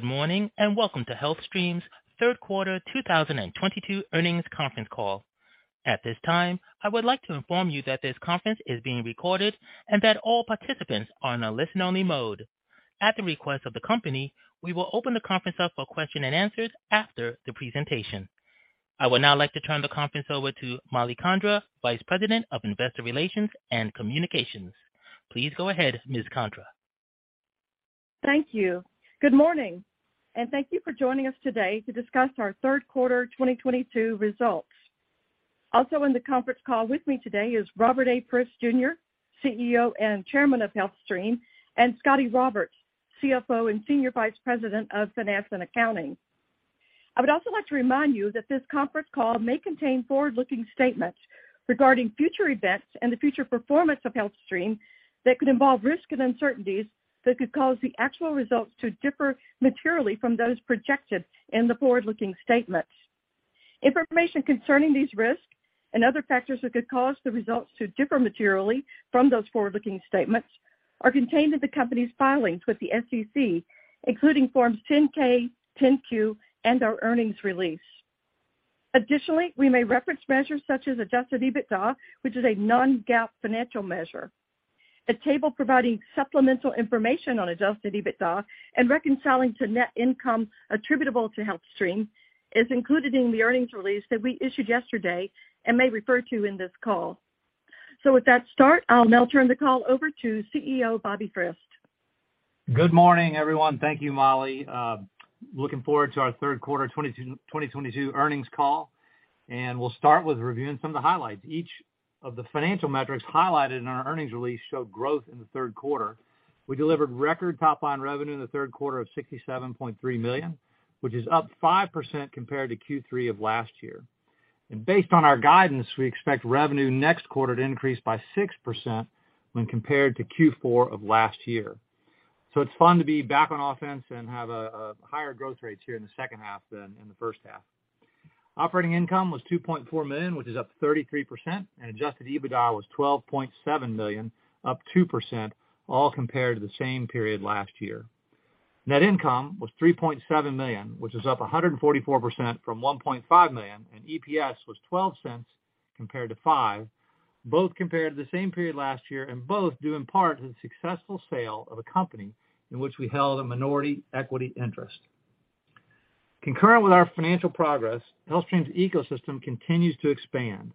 Good morning, and welcome to HealthStream's third quarter 2022 earnings conference call. At this time, I would like to inform you that this conference is being recorded and that all participants are in a listen-only mode. At the request of the company, we will open the conference up for question and answers after the presentation. I would now like to turn the conference over to Mollie Condra, Vice President of Investor Relations and Communications. Please go ahead, Ms. Condra. Thank you. Good morning, and thank you for joining us today to discuss our third quarter 2022 results. Also in the conference call with me today is Robert A. Frist, Jr., CEO and Chairman of HealthStream, and Scotty Roberts, CFO and Senior Vice President of Finance and Accounting. I would also like to remind you that this conference call may contain forward-looking statements regarding future events and the future performance of HealthStream that could involve risks and uncertainties that could cause the actual results to differ materially from those projected in the forward-looking statements. Information concerning these risks and other factors that could cause the results to differ materially from those forward-looking statements are contained in the company's filings with the SEC, including Forms 10-K, 10-Q, and our earnings release. Additionally, we may reference measures such as Adjusted EBITDA, which is a non-GAAP financial measure. A table providing supplemental information on Adjusted EBITDA and reconciling to net income attributable to HealthStream is included in the earnings release that we issued yesterday and may refer to in this call. With that start, I'll now turn the call over to CEO Bobby Frist. Good morning, everyone. Thank you, Mollie. Looking forward to our third quarter 2022 earnings call. We'll start with reviewing some of the highlights. Each of the financial metrics highlighted in our earnings release showed growth in the third quarter. We delivered record top-line revenue in the third quarter of $67.3 million, which is up 5% compared to Q3 of last year. Based on our guidance, we expect revenue next quarter to increase by 6% when compared to Q4 of last year. It's fun to be back on offense and have higher growth rates here in the second half than in the first half. Operating income was $2.4 million, which is up 33%, and Adjusted EBITDA was $12.7 million, up 2%, all compared to the same period last year. Net income was $3.7 million, which is up 144% from $1.5 million, and EPS was $0.12 compared to $0.05, both compared to the same period last year and both due in part to the successful sale of a company in which we held a minority equity interest. Concurrent with our financial progress, HealthStream's ecosystem continues to expand.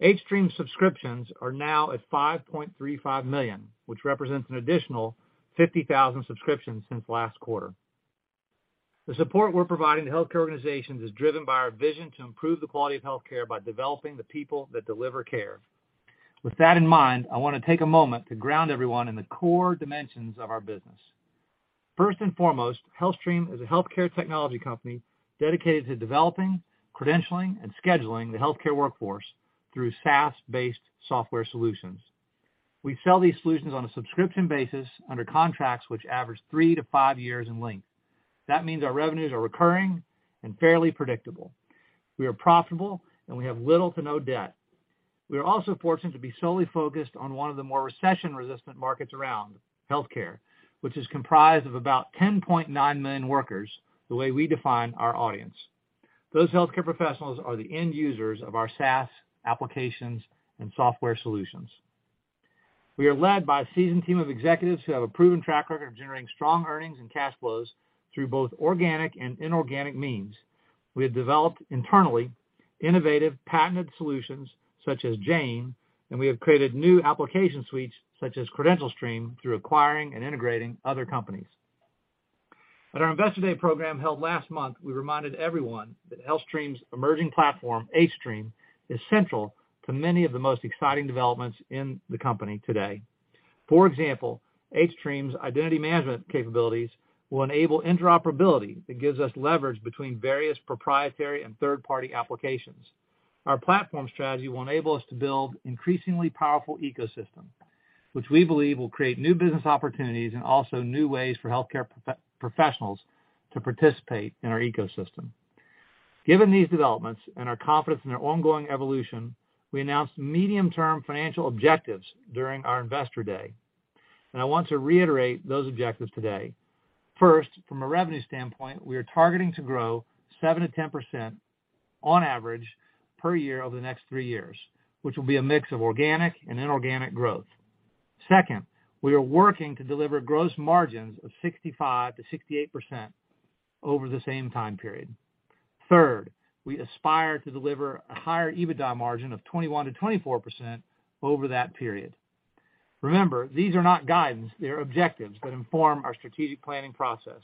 hStream subscriptions are now at 5.35 million, which represents an additional 50,000 subscriptions since last quarter. The support we're providing to healthcare organizations is driven by our vision to improve the quality of healthcare by developing the people that deliver care. With that in mind, I wanna take a moment to ground everyone in the core dimensions of our business. First and foremost, HealthStream is a healthcare technology company dedicated to developing, credentialing, and scheduling the healthcare workforce through SaaS-based software solutions. We sell these solutions on a subscription basis under contracts which average three-five years in length. That means our revenues are recurring and fairly predictable. We are profitable, and we have little to no debt. We are also fortunate to be solely focused on one of the more recession-resistant markets around, healthcare, which is comprised of about 10.9 million workers, the way we define our audience. Those healthcare professionals are the end users of our SaaS applications and software solutions. We are led by a seasoned team of executives who have a proven track record of generating strong earnings and cash flows through both organic and inorganic means. We have developed internally innovative patented solutions such as Jane, and we have created new application suites such as CredentialStream through acquiring and integrating other companies. At our Investor Day program held last month, we reminded everyone that HealthStream's emerging platform, hStream, is central to many of the most exciting developments in the company today. For example, hStream's identity management capabilities will enable interoperability that gives us leverage between various proprietary and third-party applications. Our platform strategy will enable us to build increasingly powerful ecosystem, which we believe will create new business opportunities and also new ways for healthcare professionals to participate in our ecosystem. Given these developments and our confidence in their ongoing evolution, we announced medium-term financial objectives during our Investor Day, and I want to reiterate those objectives today. First, from a revenue standpoint, we are targeting to grow 7%-10% on average per year over the next three years, which will be a mix of organic and inorganic growth. Second, we are working to deliver gross margins of 65%-68% over the same time period. Third, we aspire to deliver a higher EBITDA margin of 21%-24% over that period. Remember, these are not guidance, they're objectives that inform our strategic planning process.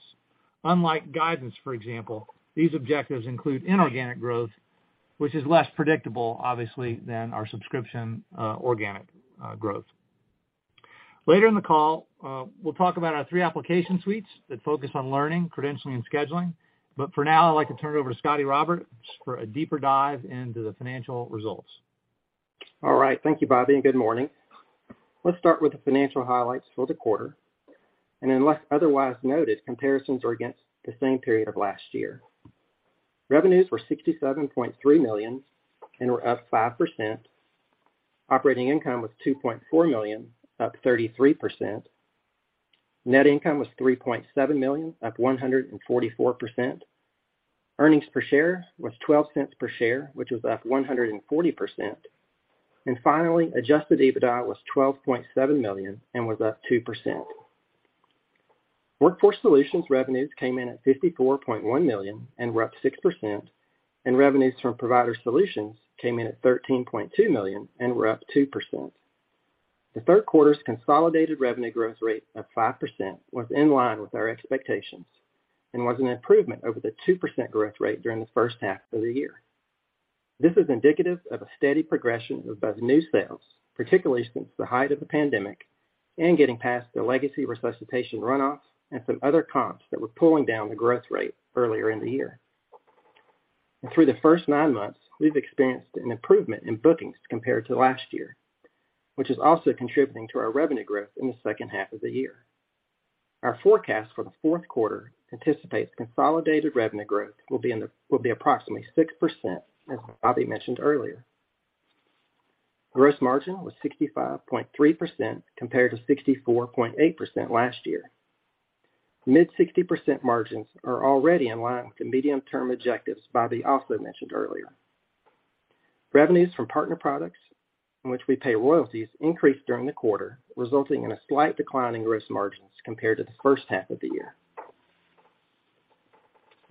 Unlike guidance, for example, these objectives include inorganic growth, which is less predictable, obviously, than our subscription organic growth. Later in the call, we'll talk about our three application suites that focus on learning, credentialing, and scheduling. For now, I'd like to turn it over to Scotty Roberts for a deeper dive into the financial results. All right. Thank you, Bobby, and good morning. Let's start with the financial highlights for the quarter. Unless otherwise noted, comparisons are against the same period of last year. Revenues were $67.3 million and were up 5%. Operating income was $2.4 million, up 33%. Net income was $3.7 million, up 144%. Earnings per share was $0.12, which was up 140%. Finally, Adjusted EBITDA was $12.7 million and was up 2%. Workforce Solutions revenues came in at $54.1 million and were up 6%, and revenues from Provider Solutions came in at $13.2 million and were up 2%. The third quarter's consolidated revenue growth rate of 5% was in line with our expectations and was an improvement over the 2% growth rate during the first half of the year. This is indicative of a steady progression of both new sales, particularly since the height of the pandemic, and getting past the legacy resuscitation runoffs and some other comps that were pulling down the growth rate earlier in the year. Through the first nine months, we've experienced an improvement in bookings compared to last year, which is also contributing to our revenue growth in the second half of the year. Our forecast for the fourth quarter anticipates consolidated revenue growth will be approximately 6%, as Bobby mentioned earlier. Gross margin was 65.3% compared to 64.8% last year. Mid-60% margins are already in line with the medium-term objectives Bobby also mentioned earlier. Revenues from partner products, in which we pay royalties, increased during the quarter, resulting in a slight decline in gross margins compared to the first half of the year.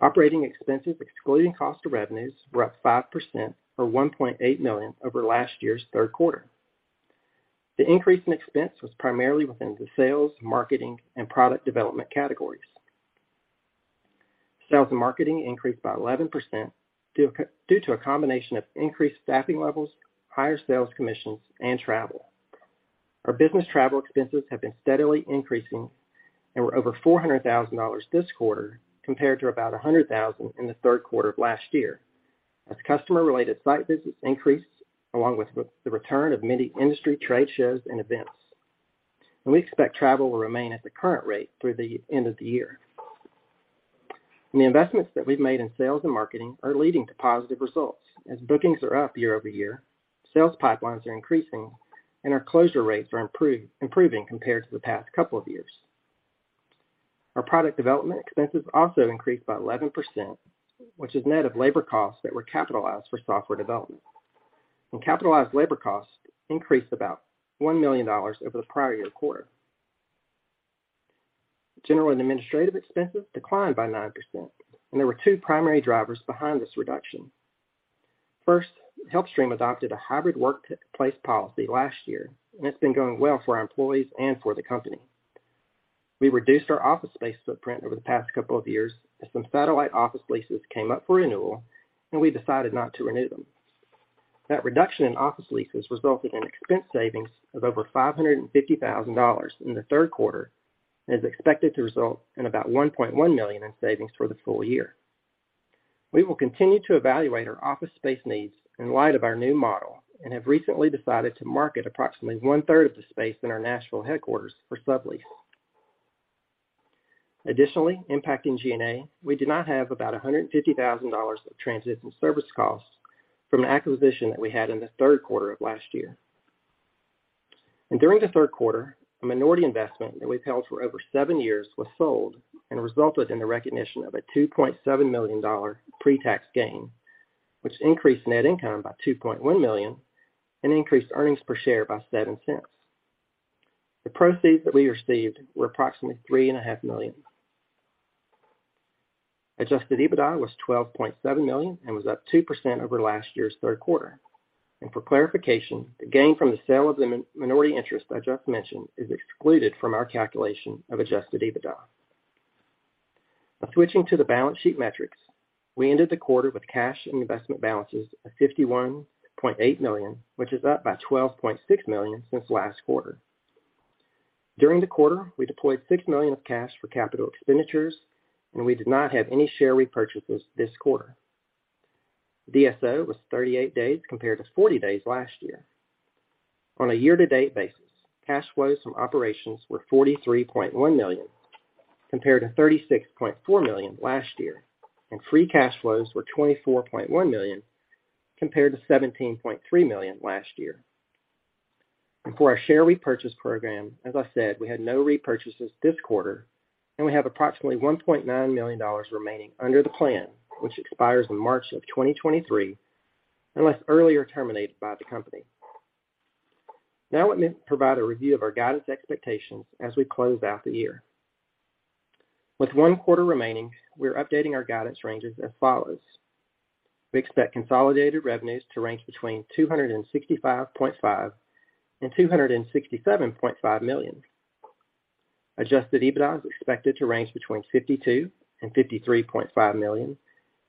Operating expenses, excluding cost of revenues, were up 5% or $1.8 million over last year's third quarter. The increase in expense was primarily within the sales, marketing, and product development categories. Sales and marketing increased by 11% due to a combination of increased staffing levels, higher sales commissions, and travel. Our business travel expenses have been steadily increasing and were over $400,000 this quarter compared to about $100,000 in the third quarter of last year as customer-related site visits increased, along with the return of many industry trade shows and events. We expect travel will remain at the current rate through the end of the year. The investments that we've made in sales and marketing are leading to positive results, as bookings are up year-over-year, sales pipelines are increasing, and our closure rates are improving compared to the past couple of years. Our product development expenses also increased by 11%, which is net of labor costs that were capitalized for software development. Capitalized labor costs increased about $1 million over the prior-year quarter. General and administrative expenses declined by 9%, and there were two primary drivers behind this reduction. First, HealthStream adopted a hybrid work place policy last year, and it's been going well for our employees and for the company. We reduced our office space footprint over the past couple of years as some satellite office leases came up for renewal, and we decided not to renew them. That reduction in office leases resulted in expense savings of over $550,000 in the third quarter and is expected to result in about $1.1 million in savings for the full year. We will continue to evaluate our office space needs in light of our new model and have recently decided to market approximately one-third of the space in our Nashville headquarters for sublease. Additionally, impacting G&A, we did not have about $150,000 of transit and service costs from an acquisition that we had in the third quarter of last year. During the third quarter, a minority investment that we've held for over seven years was sold and resulted in the recognition of a $2.7 million pre-tax gain, which increased net income by $2.1 million and increased earnings per share by $0.07. The proceeds that we received were approximately $3.5 Million. Adjusted EBITDA was $12.7 million and was up 2% over last year's third quarter. For clarification, the gain from the sale of the minority interest I just mentioned is excluded from our calculation of adjusted EBITDA. Now switching to the balance sheet metrics, we ended the quarter with cash and investment balances of $51.8 million, which is up by $12.6 million since last quarter. During the quarter, we deployed $6 million of cash for capital expenditures, and we did not have any share repurchases this quarter. DSO was 38 days compared to 40 days last year. On a year-to-date basis, cash flows from operations were $43.1 million compared to $36.4 million last year, and free cash flows were $24.1 million compared to $17.3 million last year. For our share repurchase program, as I said, we had no repurchases this quarter, and we have approximately $1.9 million remaining under the plan, which expires in March 2023, unless earlier terminated by the company. Now let me provide a review of our guidance expectations as we close out the year. With one quarter remaining, we're updating our guidance ranges as follows. We expect consolidated revenues to range between $265.5 million and $267.5 million. Adjusted EBITDA is expected to range between $52 million and $53.5 million,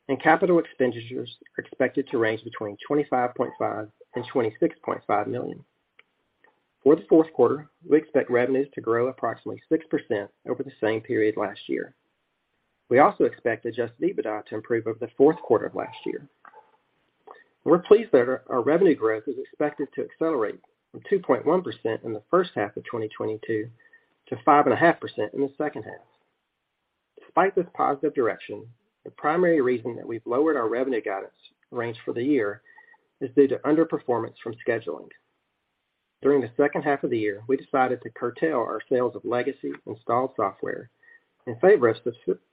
and capital expenditures are expected to range between $25.5 million and $26.5 million. For the fourth quarter, we expect revenues to grow approximately 6% over the same period last year. We also expect adjusted EBITDA to improve over the fourth quarter of last year. We're pleased that our revenue growth is expected to accelerate from 2.1% in the first half of 2022 to 5.5% in the second half. Despite this positive direction, the primary reason that we've lowered our revenue guidance range for the year is due to underperformance from scheduling. During the second half of the year, we decided to curtail our sales of legacy installed software in favor of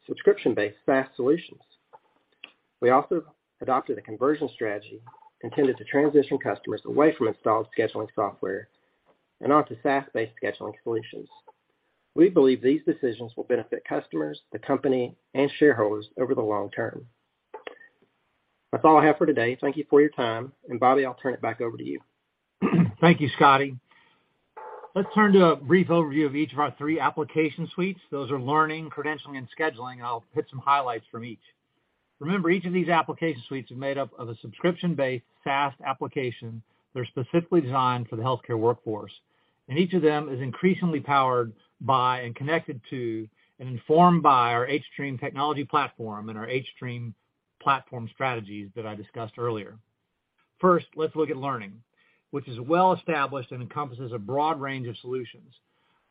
subscription-based SaaS solutions. We also adopted a conversion strategy intended to transition customers away from installed scheduling software and onto SaaS-based scheduling solutions. We believe these decisions will benefit customers, the company, and shareholders over the long term. That's all I have for today. Thank you for your time. Bobby, I'll turn it back over to you. Thank you, Scotty. Let's turn to a brief overview of each of our three application suites. Those are learning, credentialing, and scheduling. I'll hit some highlights from each. Remember, each of these application suites are made up of a subscription-based SaaS application that are specifically designed for the healthcare workforce, and each of them is increasingly powered by and connected to and informed by our hStream technology platform and our hStream platform strategies that I discussed earlier. First, let's look at learning, which is well established and encompasses a broad range of solutions.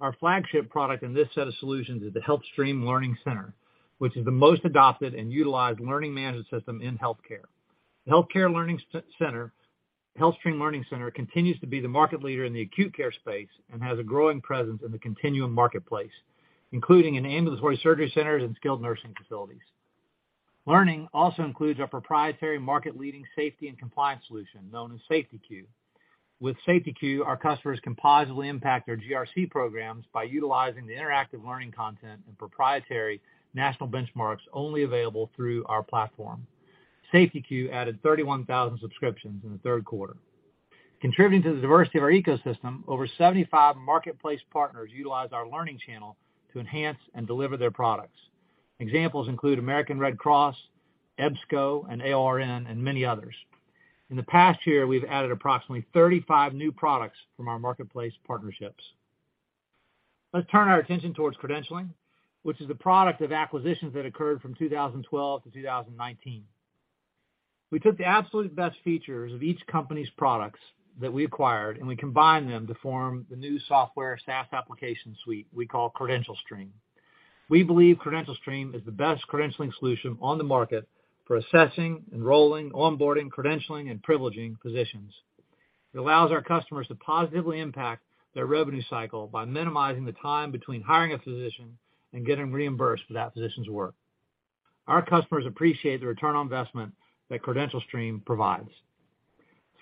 Our flagship product in this set of solutions is the HealthStream Learning Center, which is the most adopted and utilized learning management system in healthcare. HealthStream Learning Center continues to be the market leader in the acute care space and has a growing presence in the continuum marketplace, including in ambulatory surgery centers and skilled nursing facilities. Learning also includes our proprietary market-leading safety and compliance solution known as SafetyQ. With SafetyQ, our customers can positively impact their GRC programs by utilizing the interactive learning content and proprietary national benchmarks only available through our platform. SafetyQ added 31,000 subscriptions in the third quarter. Contributing to the diversity of our ecosystem, over 75 marketplace partners utilize our learning channel to enhance and deliver their products. Examples include American Red Cross, EBSCO, and ARN, and many others. In the past year, we've added approximately 35 new products from our marketplace partnerships. Let's turn our attention towards credentialing, which is the product of acquisitions that occurred from 2012 to 2019. We took the absolute best features of each company's products that we acquired, and we combined them to form the new software SaaS application suite we call CredentialStream. We believe CredentialStream is the best credentialing solution on the market for assessing, enrolling, onboarding, credentialing, and privileging physicians. It allows our customers to positively impact their revenue cycle by minimizing the time between hiring a physician and getting reimbursed for that physician's work. Our customers appreciate the return on investment that CredentialStream provides.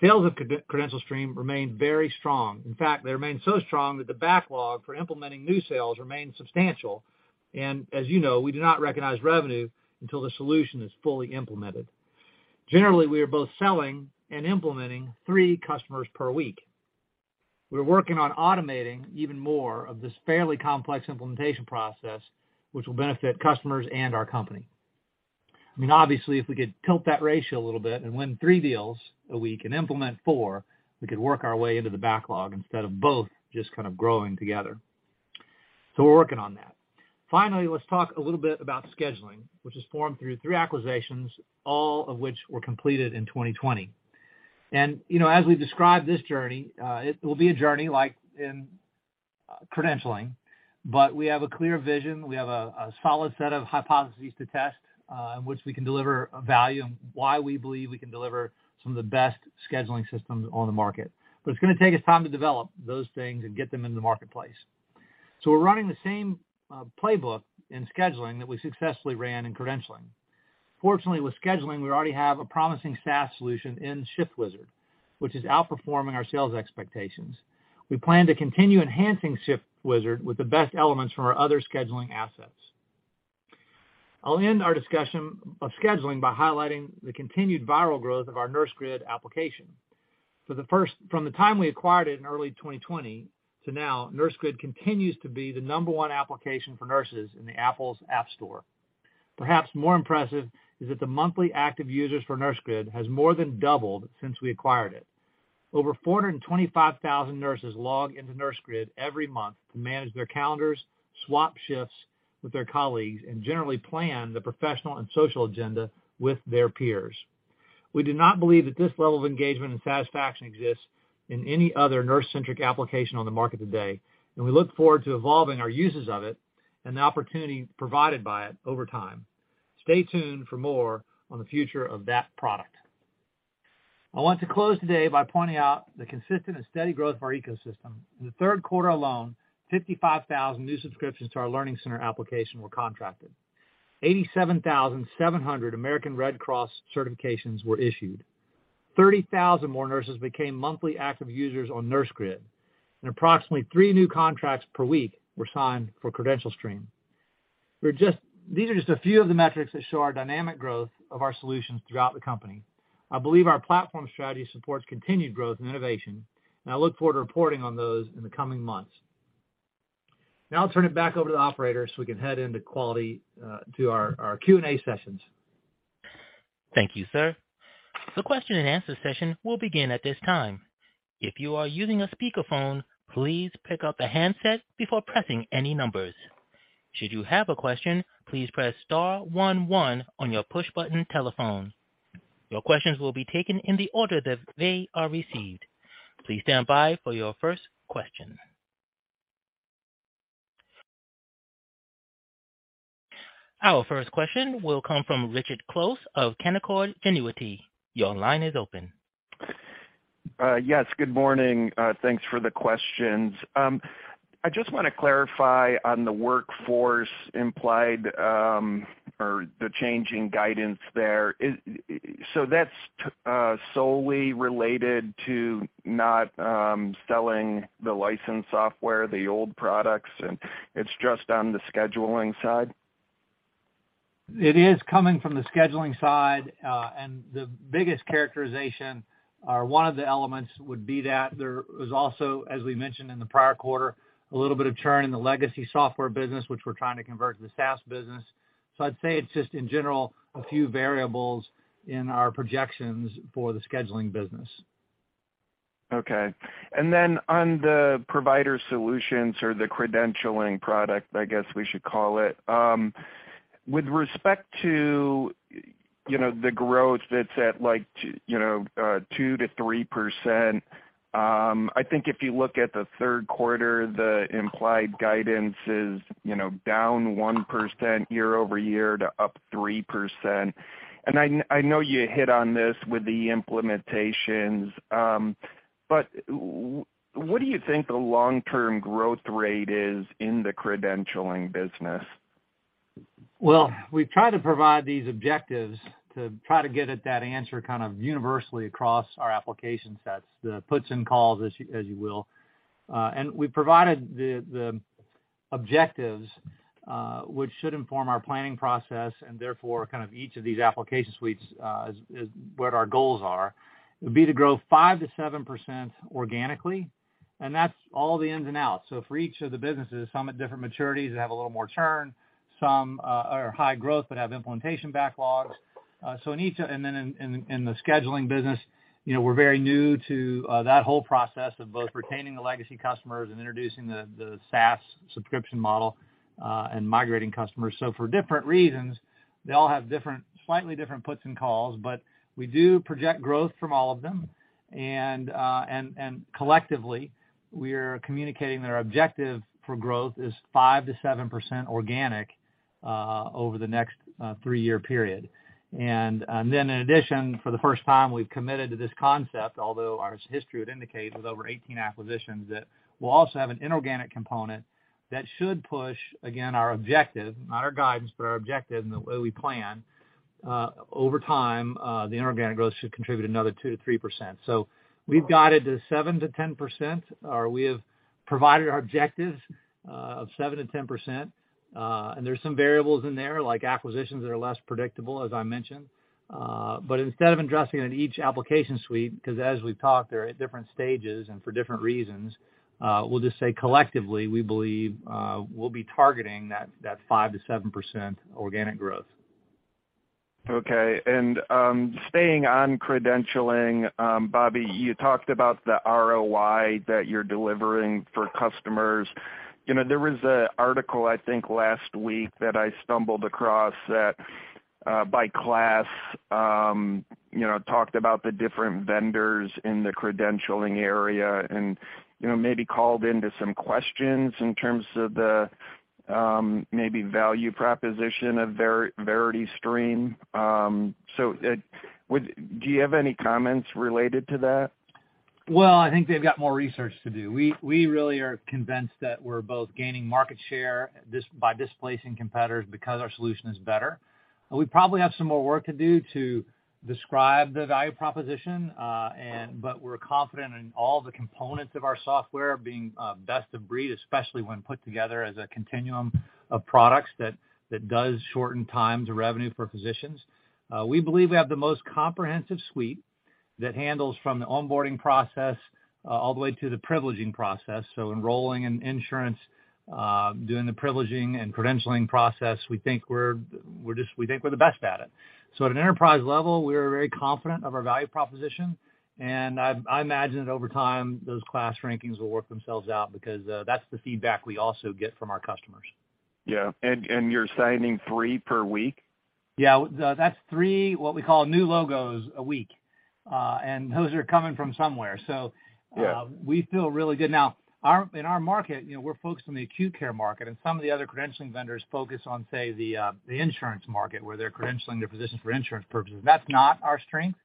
Sales of CredentialStream remain very strong. In fact, they remain so strong that the backlog for implementing new sales remains substantial. As you know, we do not recognize revenue until the solution is fully implemented. Generally, we are both selling and implementing 3 customers per week. We're working on automating even more of this fairly complex implementation process, which will benefit customers and our company. I mean, obviously, if we could tilt that ratio a little bit and win three deals a week and implement four, we could work our way into the backlog instead of both just kind of growing together. We're working on that. Finally, let's talk a little bit about scheduling, which is formed through three acquisitions, all of which were completed in 2020. You know, as we describe this journey, it will be a journey like in credentialing, but we have a clear vision. We have a solid set of hypotheses to test in which we can deliver value and why we believe we can deliver some of the best scheduling systems on the market. It's gonna take us time to develop those things and get them into the marketplace. We're running the same playbook in scheduling that we successfully ran in credentialing. Fortunately, with scheduling, we already have a promising SaaS solution in ShiftWizard, which is outperforming our sales expectations. We plan to continue enhancing ShiftWizard with the best elements from our other scheduling assets. I'll end our discussion of scheduling by highlighting the continued viral growth of our NurseGrid application. From the time we acquired it in early 2020 to now, NurseGrid continues to be the number one application for nurses in the Apple App Store. Perhaps more impressive is that the monthly active users for NurseGrid has more than doubled since we acquired it. Over 425,000 nurses log into NurseGrid every month to manage their calendars, swap shifts with their colleagues, and generally plan the professional and social agenda with their peers. We do not believe that this level of engagement and satisfaction exists in any other nurse-centric application on the market today, and we look forward to evolving our uses of it and the opportunity provided by it over time. Stay tuned for more on the future of that product. I want to close today by pointing out the consistent and steady growth of our ecosystem. In the third quarter alone, 55,000 new subscriptions to our learning center application were contracted. 87,700 American Red Cross certifications were issued. 30,000 more nurses became monthly active users on NurseGrid. Approximately three new contracts per week were signed for CredentialStream. These are just a few of the metrics that show our dynamic growth of our solutions throughout the company. I believe our platform strategy supports continued growth and innovation, and I look forward to reporting on those in the coming months. Now I'll turn it back over to the operator so we can head into our Q&A sessions. Thank you, sir. The question-and-answer session will begin at this time. If you are using a speakerphone, please pick up the handset before pressing any numbers. Should you have a question, please press star one one on your push-button telephone. Your questions will be taken in the order that they are received. Please stand by for your first question. Our first question will come from Richard Close of Canaccord Genuity. Your line is open. Yes, good morning. Thanks for the questions. I just wanna clarify on the workforce implied, or the changing guidance there. Is that solely related to not selling the licensed software, the old products, and it's just on the scheduling side? It is coming from the scheduling side. The biggest characterization, or one of the elements would be that there was also, as we mentioned in the prior quarter, a little bit of churn in the legacy software business, which we're trying to convert to the SaaS business. I'd say it's just, in general, a few variables in our projections for the scheduling business. Okay. On the provider solutions or the credentialing product, I guess we should call it, with respect to, you know, the growth that's at, like, 2%-3%, I think if you look at the third quarter, the implied guidance is, you know, down 1% year-over-year to up 3%. I know you hit on this with the implementations, but what do you think the long-term growth rate is in the credentialing business? Well, we try to provide these objectives to try to get at that answer kind of universally across our application sets, the puts and calls, as you will. We provided the objectives which should inform our planning process, and therefore, kind of each of these application suites is what our goals are. It would be to grow 5%-7% organically, and that's all the ins and outs. For each of the businesses, some at different maturities that have a little more churn, some are high growth but have implementation backlogs. In the scheduling business, you know, we're very new to that whole process of both retaining the legacy customers and introducing the SaaS subscription model and migrating customers. For different reasons, they all have different, slightly different puts and calls, but we do project growth from all of them. Collectively, we're communicating their objective for growth is 5%-7% organic over the next three-year period. Then in addition, for the first time, we've committed to this concept, although our history would indicate, with over 18 acquisitions, that we'll also have an inorganic component that should push, again, our objective, not our guidance, but our objective and the way we plan over time the inorganic growth should contribute another 2%-3%. We've guided to 7%-10%, or we have provided our objectives of 7%-10%. There's some variables in there, like acquisitions that are less predictable, as I mentioned. Instead of addressing it in each application suite, 'cause as we've talked, they're at different stages and for different reasons, we'll just say collectively, we believe, we'll be targeting that 5%-7% organic growth. Okay. Staying on credentialing, Bobby, you talked about the ROI that you're delivering for customers. You know, there was an article, I think last week, that I stumbled across that by KLAS, you know, talked about the different vendors in the credentialing area and, you know, maybe called into question in terms of the maybe value proposition of VerityStream. Do you have any comments related to that? Well, I think they've got more research to do. We really are convinced that we're both gaining market share by displacing competitors because our solution is better. We probably have some more work to do to describe the value proposition, but we're confident in all the components of our software being best of breed, especially when put together as a continuum of products that does shorten time to revenue for physicians. We believe we have the most comprehensive suite that handles from the onboarding process all the way to the privileging process. Enrolling in insurance, doing the privileging and credentialing process, we think we're the best at it. At an enterprise level, we are very confident of our value proposition. I imagine that over time, those KLAS rankings will work themselves out because that's the feedback we also get from our customers. Yeah. You're signing three per week? Yeah. Well, that's three, what we call new logos a week. Those are coming from somewhere. Yeah. We feel really good. Now, in our market, you know, we're focused on the acute care market, and some of the other credentialing vendors focus on, say, the insurance market, where they're credentialing their physicians for insurance purposes. That's not our strength.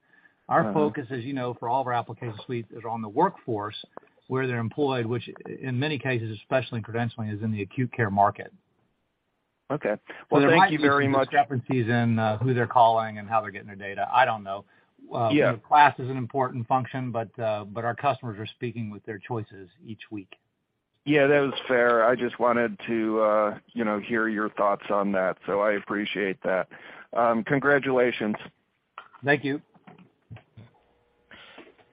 Uh-huh. Our focus, as you know, for all of our application suites is on the workforce, where they're employed, which in many cases, especially in credentialing, is in the acute care market. Okay. Well, thank you very much. There might be some discrepancies in who they're calling and how they're getting their data. I don't know. Yeah. You know, KLAS is an important function, but our customers are speaking with their choices each week. Yeah, that is fair. I just wanted to, you know, hear your thoughts on that, so I appreciate that. Congratulations. Thank you.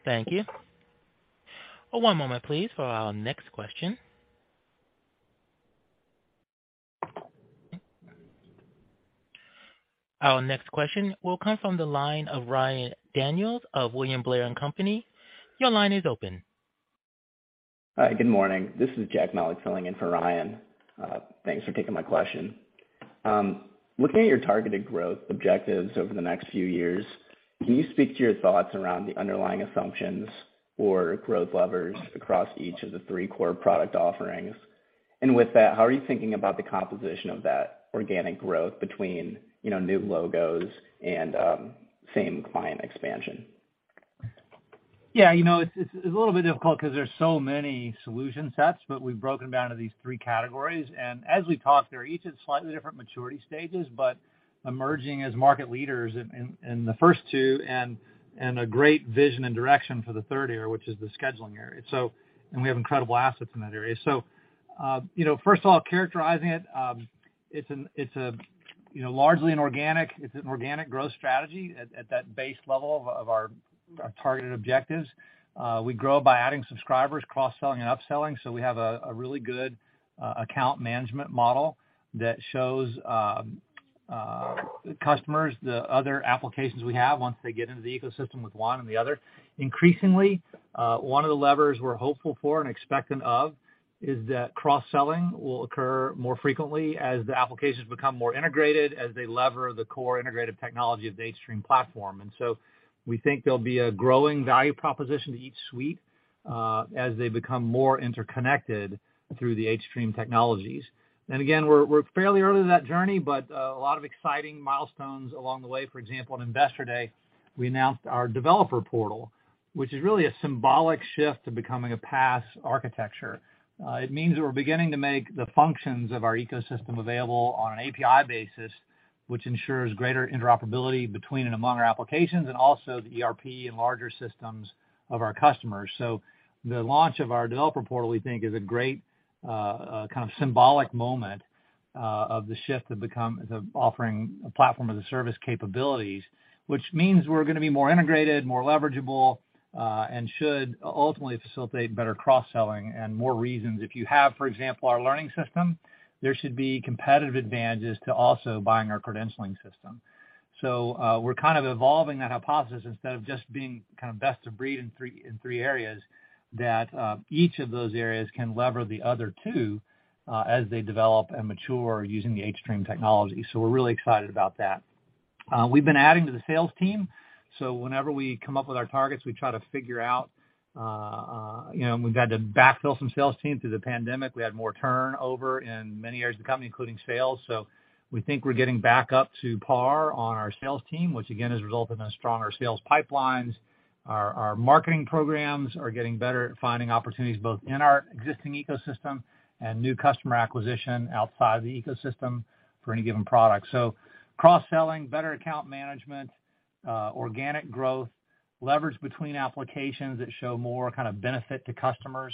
Thank you. One moment, please, for our next question. Our next question will come from the line of Ryan Daniels of William Blair & Company. Your line is open. Hi, good morning. This is Jack Melick filling in for Ryan. Thanks for taking my question. Looking at your targeted growth objectives over the next few years, can you speak to your thoughts around the underlying assumptions or growth levers across each of the three core product offerings? With that, how are you thinking about the composition of that organic growth between, you know, new logos and same client expansion? Yeah, you know, it's a little bit difficult 'cause there's so many solution sets, but we've broken down to these three categories. As we talk, they're each at slightly different maturity stages, but emerging as market leaders in the first two and a great vision and direction for the third area, which is the scheduling area. We have incredible assets in that area. You know, first of all, characterizing it's a, you know, largely an organic growth strategy at that base level of our targeted objectives. We grow by adding subscribers, cross-selling and upselling, so we have a really good account management model that shows customers the other applications we have once they get into the ecosystem with one or the other. Increasingly, one of the levers we're hopeful for and expectant of is that cross-selling will occur more frequently as the applications become more integrated, as they lever the core integrated technology of the hStream platform. We think there'll be a growing value proposition to each suite, as they become more interconnected through the hStream technologies. Again, we're fairly early in that journey, but a lot of exciting milestones along the way. For example, on Investor Day, we announced our developer portal, which is really a symbolic shift to becoming a PaaS architecture. It means that we're beginning to make the functions of our ecosystem available on an API basis, which ensures greater interoperability between and among our applications and also the ERP and larger systems of our customers. The launch of our developer portal, we think is a great kind of symbolic moment of the shift of offering a platform as a service capabilities, which means we're gonna be more integrated, more leverageable, and should ultimately facilitate better cross-selling and more reasons. If you have, for example, our learning system, there should be competitive advantages to also buying our credentialing system. We're kind of evolving that hypothesis instead of just being kind of best of breed in three areas that each of those areas can lever the other two as they develop and mature using the hStream technology. We're really excited about that. We've been adding to the sales team, so whenever we come up with our targets, we try to figure out, you know, we've had to backfill some sales team through the pandemic. We had more turnover in many areas of the company, including sales. We think we're getting back up to par on our sales team, which again, has resulted in stronger sales pipelines. Our marketing programs are getting better at finding opportunities both in our existing ecosystem and new customer acquisition outside the ecosystem for any given product. Cross-selling, better account management, organic growth, leverage between applications that show more kind of benefit to customers,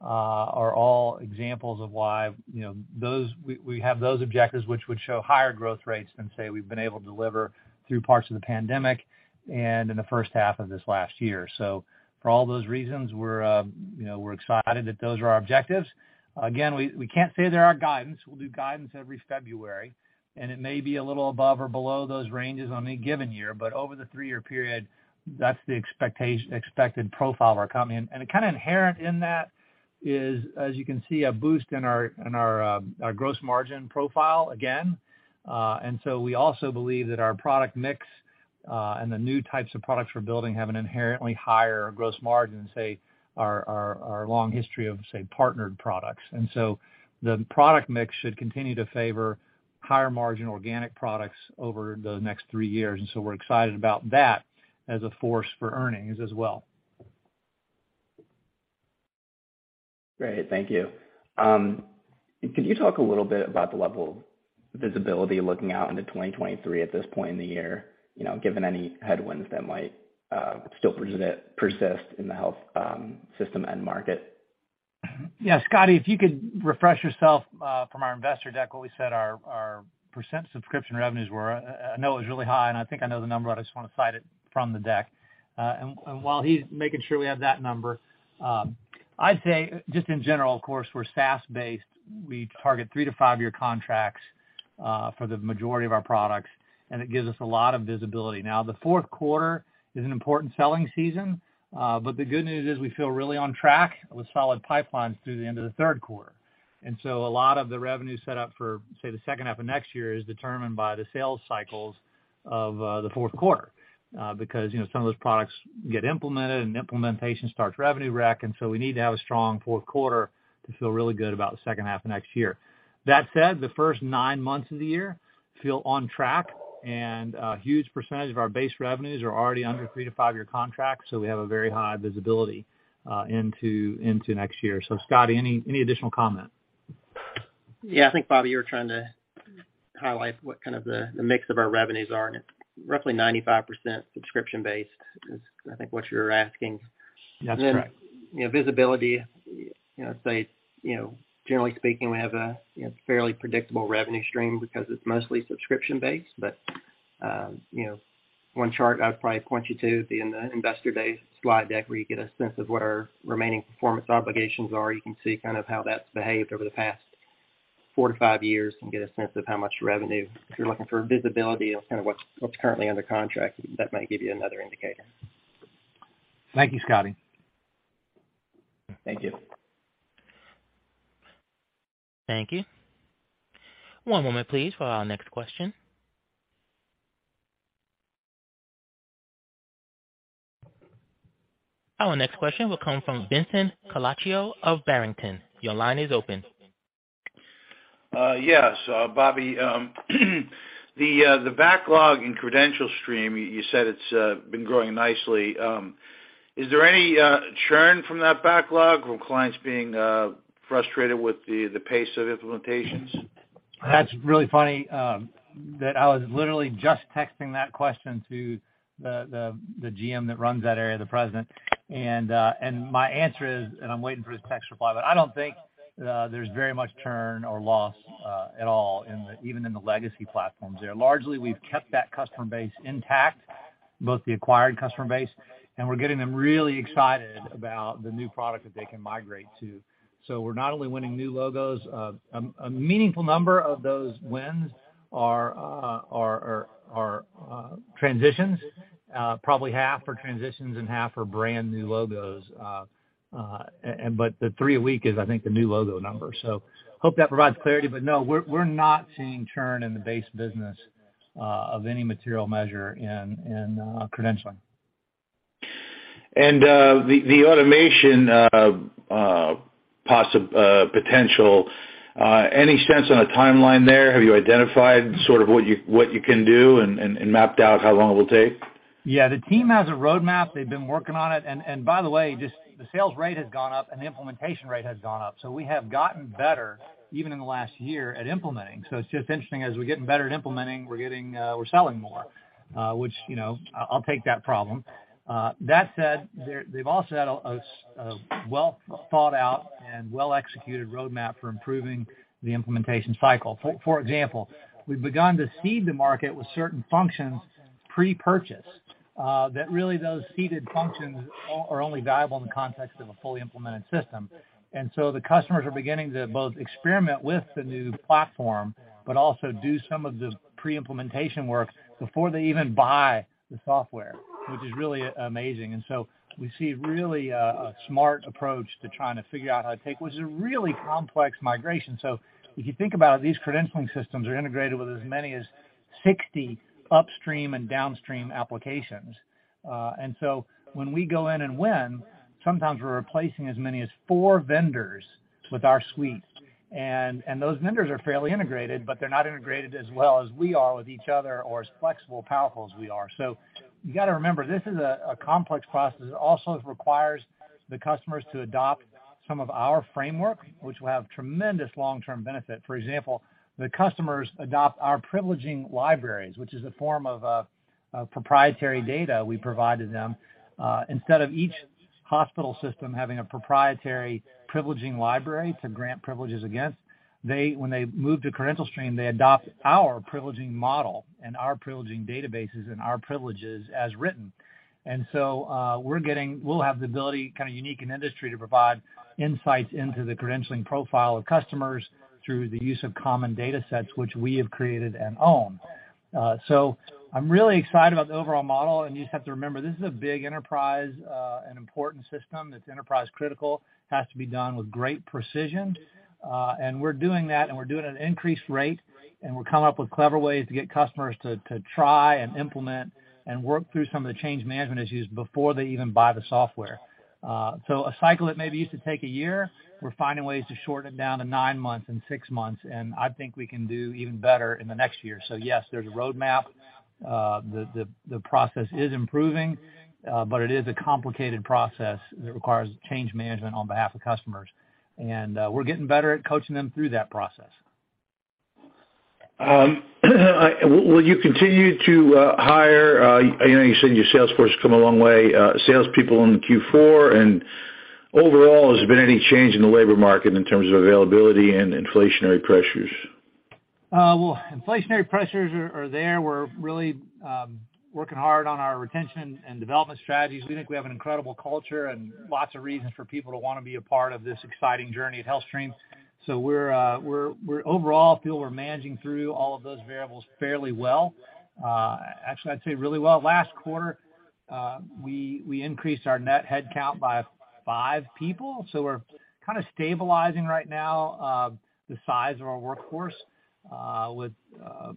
are all examples of why, you know, we have those objectives which would show higher growth rates than say we've been able to deliver through parts of the pandemic and in the first half of this last year. For all those reasons, we're, you know, we're excited that those are our objectives. Again, we can't say they're our guidance. We'll do guidance every February, and it may be a little above or below those ranges on any given year, but over the three-year period, that's the expected profile of our company. Kinda inherent in that is, as you can see, a boost in our gross margin profile again. We also believe that our product mix, and the new types of products we're building have an inherently higher gross margin than, say, our long history of, say, partnered products. The product mix should continue to favor higher margin organic products over the next three years. We're excited about that as a force for earnings as well. Great. Thank you. Could you talk a little bit about the level of visibility looking out into 2023 at this point in the year, you know, given any headwinds that might still persist in the health system end market? Yeah. Scotty, if you could refresh yourself from our investor deck what we said our percent subscription revenues were. I know it was really high, and I think I know the number, but I just wanna cite it from the deck. While he's making sure we have that number, I'd say just in general, of course, we're SaaS-based. We target three-five year contracts for the majority of our products, and it gives us a lot of visibility. Now, the fourth quarter is an important selling season, but the good news is we feel really on track with solid pipelines through the end of the third quarter. A lot of the revenue set up for, say, the second half of next year is determined by the sales cycles of the fourth quarter because, you know, some of those products get implemented and implementation starts revenue recognition, and we need to have a strong fourth quarter to feel really good about the second half of next year. That said, the first nine months of the year feel on track and a huge percentage of our base revenues are already under three-five year contracts, so we have a very high visibility into next year. Scotty, any additional comment? Yeah. I think, Bobby, you were trying to highlight what kind of the mix of our revenues are, and it's roughly 95% subscription-based, is I think what you're asking. That's right. You know, visibility, you know, say, you know, generally speaking, we have a, you know, fairly predictable revenue stream because it's mostly subscription-based. You know, one chart I'd probably point you to in the investor relations slide deck where you get a sense of where our remaining performance obligations are. You can see kind of how that's behaved over the past four-five years and get a sense of how much revenue. If you're looking for visibility of kind of what's currently under contract, that might give you another indicator. Thank you, Scotty. Thank you. Thank you. One moment please for our next question. Our next question will come from Vincent Colicchio of Barrington Research. Your line is open. Yes, Bobby, the backlog in CredentialStream, you said it's been growing nicely. Is there any churn from that backlog or clients being frustrated with the pace of implementations? That's really funny that I was literally just texting that question to the GM that runs that area, the president. My answer is, I'm waiting for his text reply, but I don't think there's very much churn or loss at all in the even in the legacy platforms there. Largely, we've kept that customer base intact, both the acquired customer base, and we're getting them really excited about the new product that they can migrate to. We're not only winning new logos. A meaningful number of those wins are transitions. Probably half are transitions and half are brand-new logos. But the three a week is, I think, the new logo number. Hope that provides clarity, but no, we're not seeing churn in the base business of any material measure in credentialing. The automation potential, any sense on a timeline there? Have you identified sort of what you can do and mapped out how long it will take? Yeah. The team has a roadmap. They've been working on it. By the way, just the sales rate has gone up and the implementation rate has gone up. We have gotten better, even in the last year, at implementing. It's just interesting as we're getting better at implementing, we're selling more, which, you know, I'll take that problem. That said, they've also had a well-thought-out and well-executed roadmap for improving the implementation cycle. For example, we've begun to seed the market with certain functions pre-purchase, that really those seeded functions are only valuable in the context of a fully implemented system. The customers are beginning to both experiment with the new platform, but also do some of the pre-implementation work before they even buy the software, which is really amazing. We see really a smart approach to trying to figure out how to take what is a really complex migration. If you think about it, these credentialing systems are integrated with as many as 60 upstream and downstream applications. When we go in and win, sometimes we're replacing as many as four vendors with our suite. Those vendors are fairly integrated, but they're not integrated as well as we are with each other or as flexible, powerful as we are. You got to remember, this is a complex process. It also requires the customers to adopt some of our framework, which will have tremendous long-term benefit. For example, the customers adopt our privileging libraries, which is a form of proprietary data we provide to them. Instead of each hospital system having a proprietary privileging library to grant privileges against, they, when they move to CredentialStream, adopt our privileging model and our privileging databases and our privileges as written. We're getting—we'll have the ability, kind of unique in industry, to provide insights into the credentialing profile of customers through the use of common data sets, which we have created and own. I'm really excited about the overall model, and you just have to remember, this is a big enterprise, an important system that's enterprise critical, has to be done with great precision. We're doing that, and we're doing it at an increased rate, and we're coming up with clever ways to get customers to try and implement and work through some of the change management issues before they even buy the software. A cycle that maybe used to take a year, we're finding ways to shorten it down to nine months and six months, and I think we can do even better in the next year. Yes, there's a roadmap. The process is improving, but it is a complicated process that requires change management on behalf of customers. We're getting better at coaching them through that process. Will you continue to hire your sales force has come a long way. Overall, has there been any change in the labor market in terms of availability and inflationary pressures? Well, inflationary pressures are there. We're really working hard on our retention and development strategies. We think we have an incredible culture and lots of reasons for people to wanna be a part of this exciting journey at HealthStream. We're overall feel we're managing through all of those variables fairly well. Actually, I'd say really well. Last quarter, we increased our net headcount by five people, so we're kind of stabilizing right now the size of our workforce with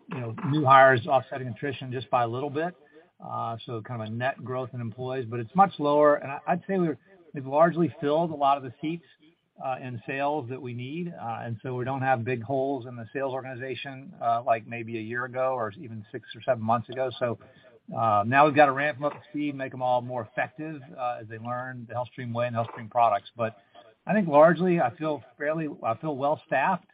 you know, new hires offsetting attrition just by a little bit. Kind of a net growth in employees, but it's much lower. I'd say we've largely filled a lot of the seats in sales that we need, and we don't have big holes in the sales organization, like maybe a year ago or even six or seven months ago. Now we've got to ramp them up to speed, make them all more effective, as they learn the HealthStream way and HealthStream products. I think largely, I feel well staffed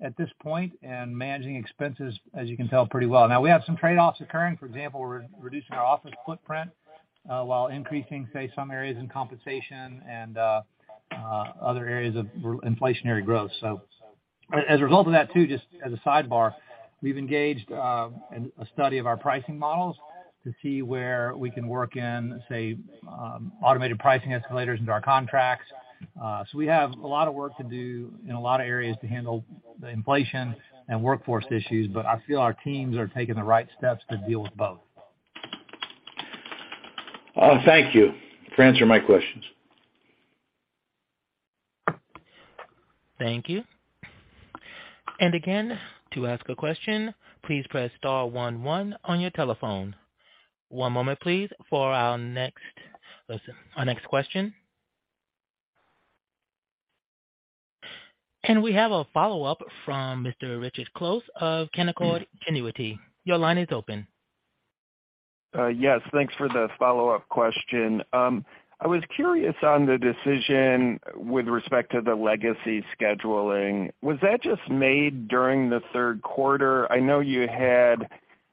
at this point and managing expenses, as you can tell, pretty well. Now, we have some trade-offs occurring. For example, we're reducing our office footprint, while increasing, say, some areas in compensation and other areas of inflationary growth. As a result of that too, just as a sidebar, we've engaged a study of our pricing models to see where we can work in, say, automated pricing escalators into our contracts. We have a lot of work to do in a lot of areas to handle the inflation and workforce issues, but I feel our teams are taking the right steps to deal with both. Thank you for answering my questions. Thank you. Again, to ask a question, please press star one one on your telephone. One moment, please, for our next question. We have a follow-up from Mr. Richard Close of Canaccord Genuity. Your line is open. Yes, thanks for the follow-up question. I was curious on the decision with respect to the legacy scheduling. Was that just made during the third quarter? I know you had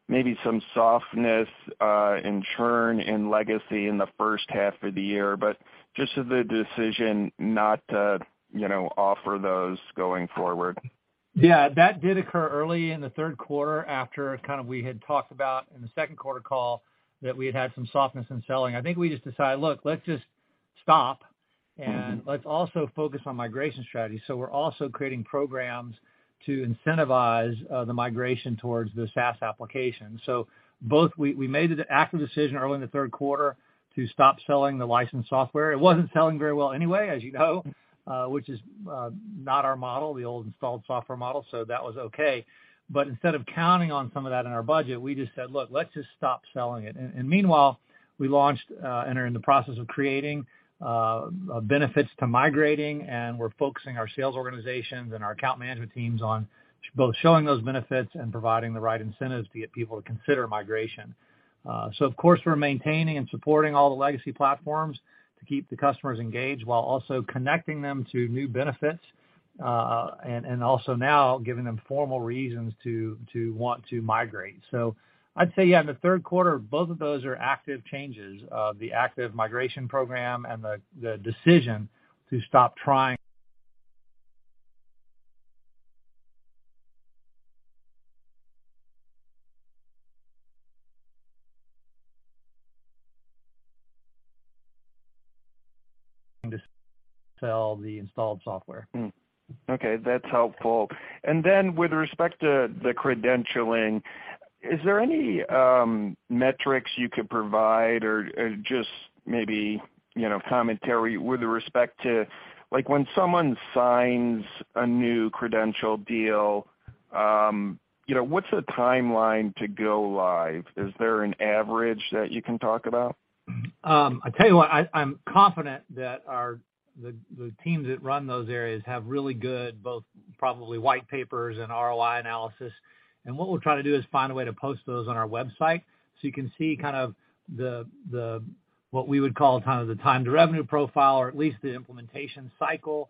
maybe some softness in churn in legacy in the first half of the year, but just the decision not to, you know, offer those going forward. Yeah, that did occur early in the third quarter after kind of we had talked about in the second quarter call that we had had some softness in selling. I think we just decided, "Look, let's just stop, and let's also focus on migration strategy." We're also creating programs to incentivize the migration towards the SaaS application. Both we made the active decision early in the third quarter to stop selling the licensed software. It wasn't selling very well anyway, as you know, which is not our model, the old installed software model, so that was okay. Instead of counting on some of that in our budget, we just said, "Look, let's just stop selling it." And meanwhile, we launched and are in the process of creating benefits to migrating, and we're focusing our sales organizations and our account management teams on both showing those benefits and providing the right incentives to get people to consider migration. So of course, we're maintaining and supporting all the legacy platforms to keep the customers engaged while also connecting them to new benefits, and also now giving them formal reasons to want to migrate. I'd say, yeah, in the third quarter, both of those are active changes, the active migration program and the decision to stop trying to sell the installed software. Okay, that's helpful. With respect to the credentialing, is there any metrics you could provide or just maybe, you know, commentary with respect to, like, when someone signs a new credential deal, you know, what's the timeline to go live? Is there an average that you can talk about? I tell you what, I'm confident that our teams that run those areas have really good, both probably white papers and ROI analysis. What we'll try to do is find a way to post those on our website, so you can see kind of the what we would call kind of the time to revenue profile or at least the implementation cycle.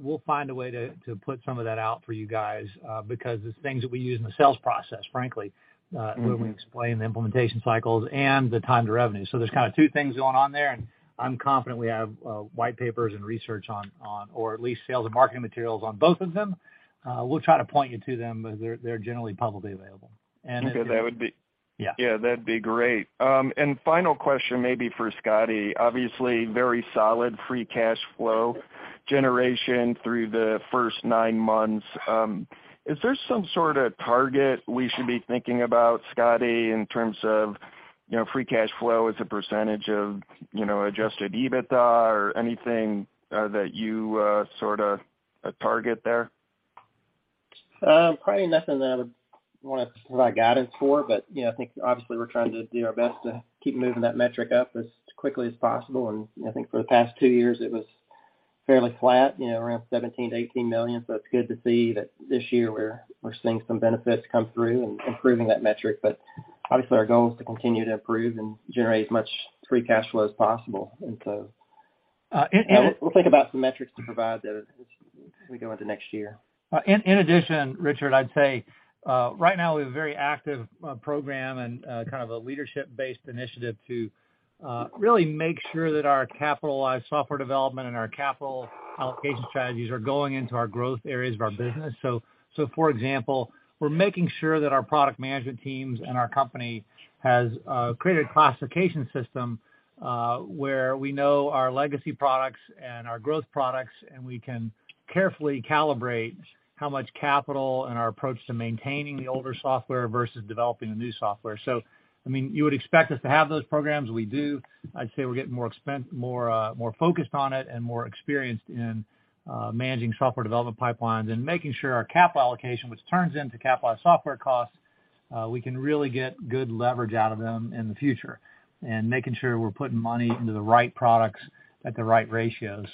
We'll find a way to put some of that out for you guys, because it's things that we use in the sales process, frankly. Mm-hmm. When we explain the implementation cycles and the time to revenue. There's kinda two things going on there, and I'm confident we have white papers and research on or at least sales and marketing materials on both of them. We'll try to point you to them, but they're generally publicly available. If you're Okay, that would be. Yeah. Yeah, that'd be great. Final question maybe for Scotty. Obviously, very solid free cash flow generation through the first nine months. Is there some sorta target we should be thinking about, Scotty, in terms of, you know, free cash flow as a percentage of, you know, Adjusted EBITDA or anything, that you sorta target there? Probably nothing that I would wanna provide guidance for, but, you know, I think obviously we're trying to do our best to keep moving that metric up as quickly as possible. I think for the past two years it was fairly flat, you know, around $17 million-$18 million. It's good to see that this year we're seeing some benefits come through and improving that metric. Obviously, our goal is to continue to improve and generate as much free cash flow as possible. And, and- We'll think about some metrics to provide there as we go into next year. In addition, Richard, I'd say right now we have a very active program and kind of a leadership-based initiative to really make sure that our capitalized software development and our capital allocation strategies are going into our growth areas of our business. For example, we're making sure that our product management teams and our company has created a classification system where we know our legacy products and our growth products, and we can carefully calibrate how much capital and our approach to maintaining the older software versus developing the new software. I mean, you would expect us to have those programs. We do. I'd say we're getting more focused on it and more experienced in managing software development pipelines and making sure our capital allocation, which turns into capitalized software costs, we can really get good leverage out of them in the future, and making sure we're putting money into the right products at the right ratios.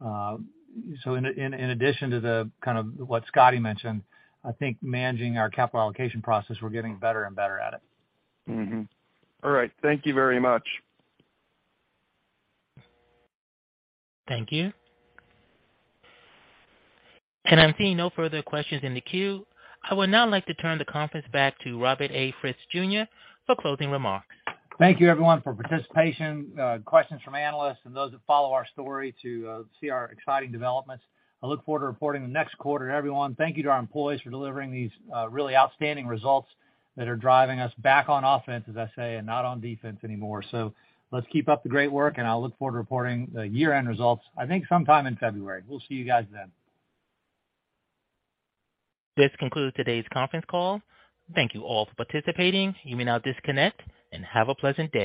In addition to the kind of what Scotty mentioned, I think managing our capital allocation process, we're getting better and better at it. All right. Thank you very much. Thank you. I'm seeing no further questions in the queue. I would now like to turn the conference back to Robert A. Frist, Jr. for closing remarks. Thank you, everyone, for participation, questions from analysts and those that follow our story to see our exciting developments. I look forward to reporting the next quarter to everyone. Thank you to our employees for delivering these, really outstanding results that are driving us back on offense, as I say, and not on defense anymore. Let's keep up the great work, and I'll look forward to reporting the year-end results, I think, sometime in February. We'll see you guys then. This concludes today's conference call. Thank you all for participating. You may now disconnect and have a pleasant day.